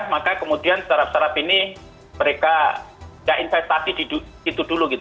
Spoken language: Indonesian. maka kemudian startup startup ini mereka tidak investasi di situ dulu gitu